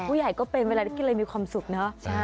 ก็เป็นเวลาได้กินอะไรมีความสุขเนอะ